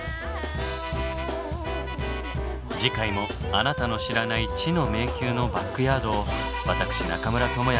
次回もあなたの知らない知の迷宮のバックヤードを私中村倫也がご案内いたします。